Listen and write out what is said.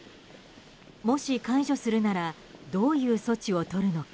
もし解除するならどういう措置をとるのか。